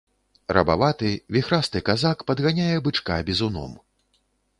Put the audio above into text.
Рабаваты, віхрасты казак падганяе бычка бізуном.